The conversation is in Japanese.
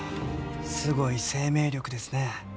すごい生命力ですね。